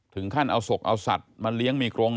ถึงขั้นเอาศพเอาสัตว์มาเลี้ยงมีกรง